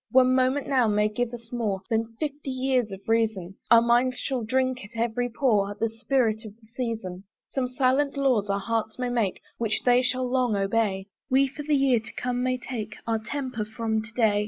One moment now may give us more Than fifty years of reason; Our minds shall drink at every pore The spirit of the season. Some silent laws our hearts may make, Which they shall long obey; We for the year to come may take Our temper from to day.